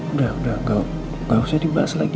udah gak usah dibahas lagi